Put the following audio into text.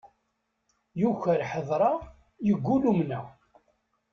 Yuker ḥeḍreɣ, yeggul umneɣ.